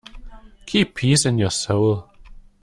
Keep peace in your soul.